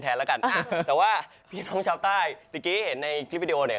แต่ว่าพี่น้องชาวใต้ตะกี้เห็นในคลิปวิดีโอเนี่ย